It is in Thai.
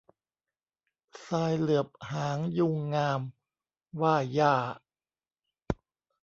ทรายเหลือบหางยูงงาม ว่าหญ้า